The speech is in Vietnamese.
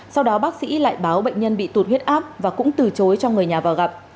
sau đó bác sĩ lại báo bệnh nhân bị tụt huyết áp và cũng từ chối cho người nhà vào gặp